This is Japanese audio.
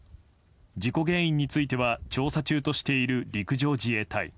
事故原因については調査中としている陸上自衛隊。